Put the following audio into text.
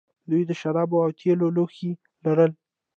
دوی د شرابو او تیلو لوښي لرل